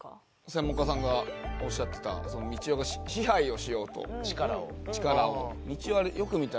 専門家さんがおっしゃってたみちおが支配をしようと力を。